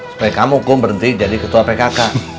supaya kamu kum berhenti jadi ketua pkk